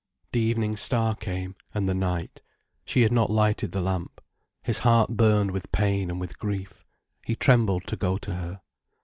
The evening star came, and the night. She had not lighted the lamp. His heart burned with pain and with grief. He trembled to go to her.